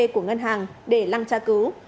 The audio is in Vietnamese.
của ngân hàng để lăng tra cứu